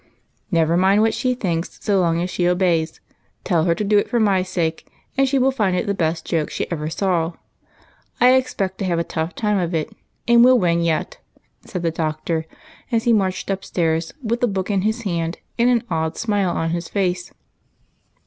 " Never mind what she thinks so long as she obeys. Tell her to do it for my sake, and she will find it the FASHION AND PHYSIOLOGY. 205 best joke she ever saw. I expect to have a tough time of it, but we '11 win yet," said the Doctor, as he marched ujDstairs with the book in his hand, and an odd smile on his face.